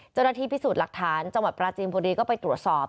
เจ้าหน้าที่พิสูจน์หลักฐานจังหวัดปราจีนบุรีก็ไปตรวจสอบ